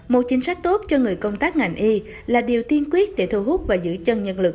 một chính sách tốt cho người công tác ngành y là điều tiên quyết để thu hút và giữ chân nhân lực